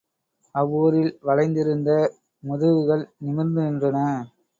அவ்வூரில் வளைந்திருந்த முதுகுகள் நிமிர்ந்து நின்றன.